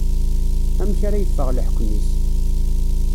Amek ara yeffeɣ leḥkem-is.